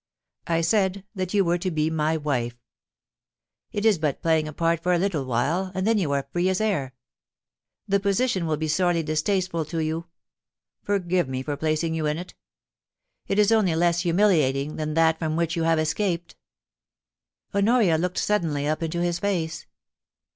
I said that you were to be my wife. It is but playing a part for a little while, and then you are free as air. The position will be sorely distasteful to you. Forgive me for placing you in it It is only less humiliating than that from which you have escaped* Honoria looked suddenly up into his face.